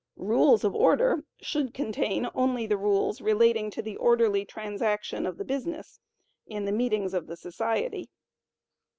Rules of Order should contain only the rules relating to the orderly transaction of the business in the meetings of the society.